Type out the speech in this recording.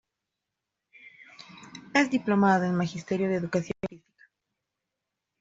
Es diplomado en Magisterio de Educación Física.